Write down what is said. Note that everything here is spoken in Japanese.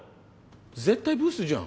絶対ブスじゃん。